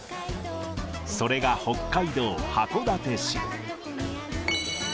それが北海道函館市。